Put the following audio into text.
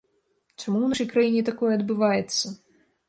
Чаму ў нашай краіне такое адбываецца?